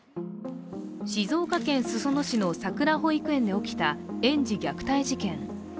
静岡県裾野市のさくら保育園で起きた園児虐待事件。